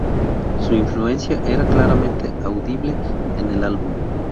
Su influencia era claramente audible en el álbum.